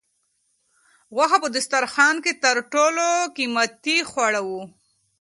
غوښه په دسترخوان کې تر ټولو قیمتي خواړه وو.